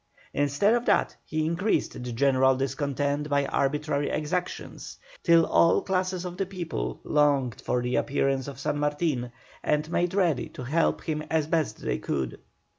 Instead of that, he increased the general discontent by arbitrary exactions, till all classes of the people longed for the appearance of San Martin and made ready to help him as best they could.